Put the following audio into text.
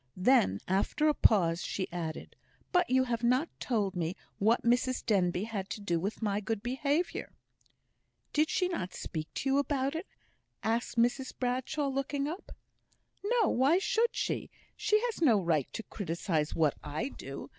Then, after a pause, she added, "But you have not told me what Mrs Denbigh had to do with my good behaviour." "Did not she speak to you about it?" asked Mrs Bradshaw, looking up. "No; why should she? She has no right to criticise what I do.